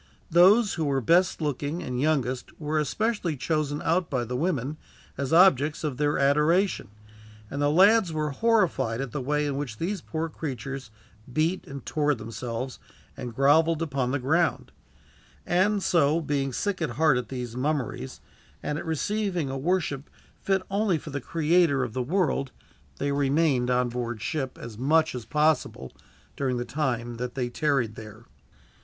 Those who were best looking and youngest were especially chosen out by the women as objects of their adoration, and the lads were horrified at the way in which these poor creatures beat and tore themselves, and groveled upon the ground; and so, being sick at heart at these mummeries, and at receiving a worship fit only for the Creator of the world, they remained on board ship, as much as possible, during the time that they tarried there.